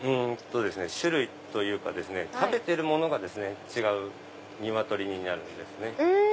種類というか食べてるものが違う鶏になるんです。